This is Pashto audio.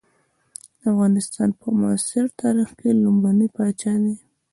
د افغانستان په معاصر تاریخ کې لومړنی پاچا دی.